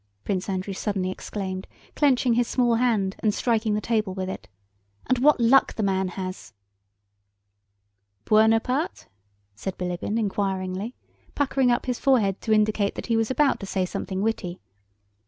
Prince Andrew suddenly exclaimed, clenching his small hand and striking the table with it, "and what luck the man has!" "Buonaparte?" said Bilíbin inquiringly, puckering up his forehead to indicate that he was about to say something witty.